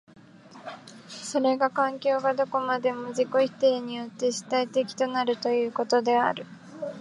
それが環境がどこまでも自己否定によって主体的となるということである。